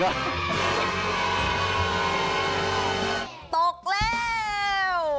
ตกแล้ว